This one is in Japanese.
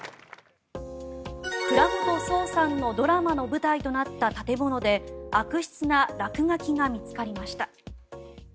倉本聰さんのドラマの舞台となった建物で悪質な落書きが見つかりました。